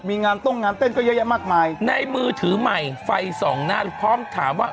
มีงานต้งงานเต้นก็เยอะแยะมากมายในมือถือใหม่ไฟส่องหน้าพร้อมถามว่า